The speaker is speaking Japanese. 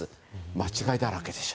間違いだらけでしょ？